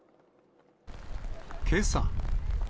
けさ。